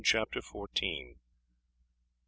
CHAPTER FOURTEENTH.